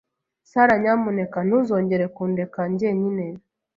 Sara, nyamuneka ntuzongere kundeka jyenyine